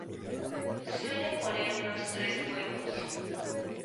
Suelen poner unos tres huevos.